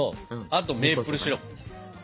あとメープルシロップ。